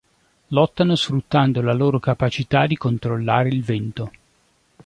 Lottano sfruttando la loro capacità di controllare il vento.